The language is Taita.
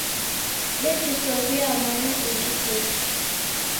Nejisow'ia mana ingi putu.